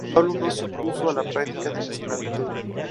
Pablo no se opuso a la práctica de la esclavitud.